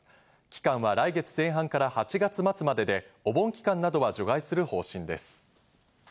期間は来月前半から８月末までで、お盆期間などは除外する方針です。